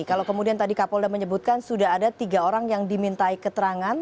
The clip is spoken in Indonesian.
kalau kemudian tadi kapolda menyebutkan sudah ada tiga orang yang dimintai keterangan